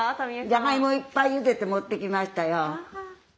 じゃがいもいっぱいゆでて持ってきましたよ。